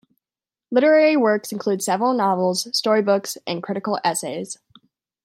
Literary works include several novels, story books and critical essays.